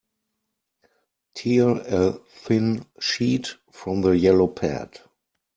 Tear a thin sheet from the yellow pad.